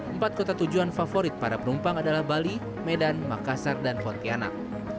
empat kota tujuan favorit para penumpang adalah bali medan makassar dan pontianak